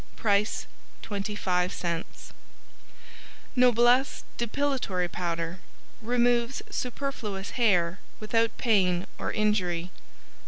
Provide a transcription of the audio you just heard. Price 25c Noblesse Depilatory Powder Removes superfluous hair without pain or injury.